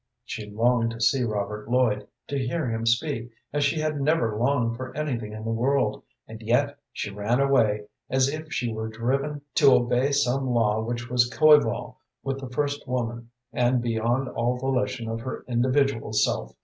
She longed to see Robert Lloyd, to hear him speak, as she had never longed for anything in the world, and yet she ran away as if she were driven to obey some law which was coeval with the first woman and beyond all volition of her individual self.